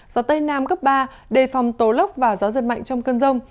gió tây nam cấp ba đề phòng tố lốc và gió giật mạnh trong khu vực